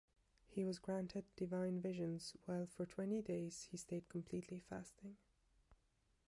He was granted divine visions, while for twenty days he stayed completely fasting.